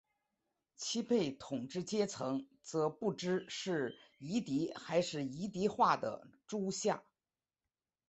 其被统治阶层则不知是夷狄还是夷狄化的诸夏。